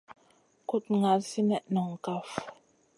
Kuɗ ŋal sinèh noŋ kaf.